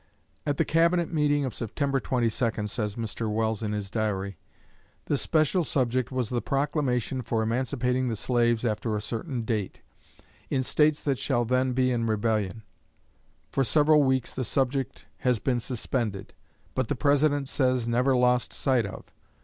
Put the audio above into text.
"At the Cabinet meeting of September 22," says Mr. Welles in his Diary, "the special subject was the Proclamation for emancipating the slaves after a certain date, in States that shall then be in rebellion. For several weeks the subject has been suspended, but the President says never lost sight of.